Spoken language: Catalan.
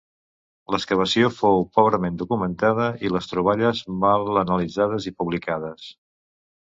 L'excavació fou pobrament documentada i les troballes mal analitzades i publicades.